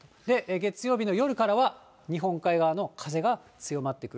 月曜日の夜からは日本海側の風が強まってくる。